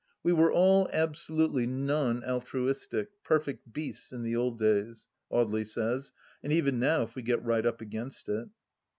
We were all absolutely non altruistic — ^perfect beasts — in the old days, Audely says — ^and even now, if we get right up against it.